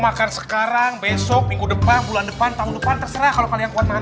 makan sekarang besok minggu depan bulan depan tahun depan terserah kalau kalian kuat makan